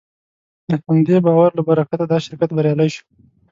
د همدې باور له برکته دا شرکت بریالی شو.